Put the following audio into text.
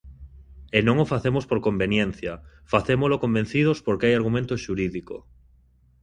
E non o facemos por conveniencia, facémolo convencidos porque hai argumento xurídico.